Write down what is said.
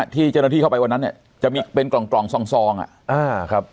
ที่เจริญาที่เข้าไปวันนั้นเนี่ยจะมีเป็นกล่องซองอะ